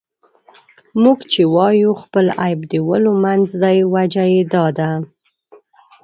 موږ چې وايو خپل عيب د ولیو منځ دی، وجه یې دا ده.